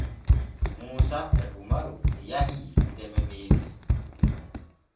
Muusa e umaru yahii deme meeɗen.